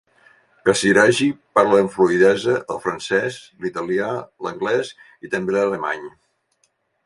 Casiraghi parla amb fluïdesa el francès, l'italià, l'anglès i també l'alemany.